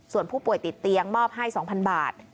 ส่วนผู้ป่วยติดเตียงมอบให้๒๐๐๐บาท